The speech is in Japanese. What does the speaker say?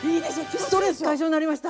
ストレス解消になりました。